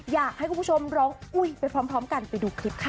อยากให้คุณผู้ชมร้องอุ้ยไปพร้อมกันไปดูคลิปค่ะ